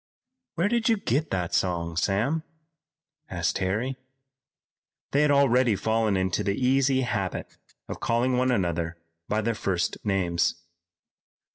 "Where did you get that song, Sam?" asked Harry they had already fallen into the easy habit of calling one another by their first names.